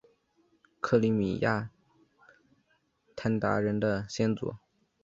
克里米亚鞑靼人的先祖？